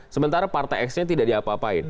sementara partai x nya tidak diapa apain